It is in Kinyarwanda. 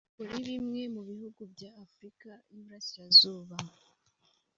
muri bimwe mu bihugu bya Afurika y’Iburasirazuba